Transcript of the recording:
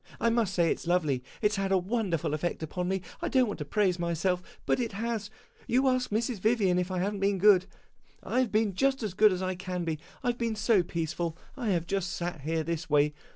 I must say it 's lovely; it 's had a wonderful effect upon me. I don't want to praise myself, but it has. You ask Mrs. Vivian if I have n't been good. I have been just as good as I can be. I have been so peaceful, I have just sat here this way.